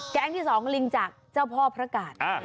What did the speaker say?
แก๊งที่สองลิงจากเจ้าพ่อพระกาล